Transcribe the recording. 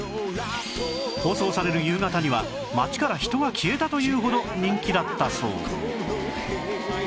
放送される夕方には「街から人が消えた！」というほど人気だったそう